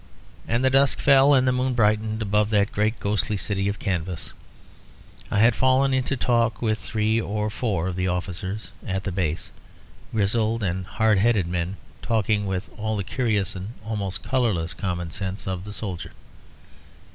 As the dusk fell and the moon brightened above that great ghostly city of canvas, I had fallen into talk with three or four of the officers at the base; grizzled and hard headed men talking with all the curious and almost colourless common sense of the soldier.